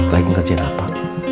lagi ngerjain apa